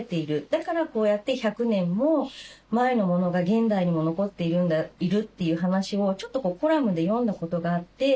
だからこうやって１００年も前のものが現代にも残っているという話をちょっとコラムで読んだことがあって。